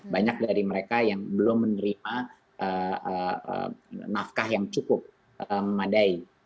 banyak dari mereka yang belum menerima nafkah yang cukup memadai